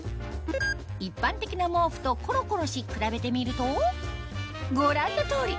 一般的な毛布とコロコロし比べてみるとご覧の通り！